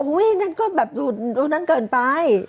อุ้ยก็แบบรุ่นนั้นเกินไป